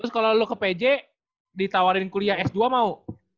terus kalau lo ke pj ditawarin kuliah s dua mau